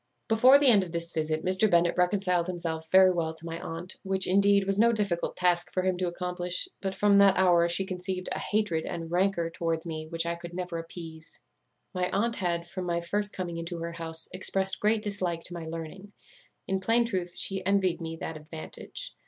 "Before the end of this visit Mr. Bennet reconciled himself very well to my aunt, which, indeed, was no difficult task for him to accomplish; but from that hour she conceived a hatred and rancour towards me which I could never appease. "My aunt had, from my first coming into her house, expressed great dislike to my learning. In plain truth, she envied me that advantage.